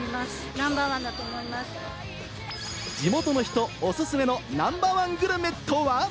地元の人おすすめのナンバーワングルメとは？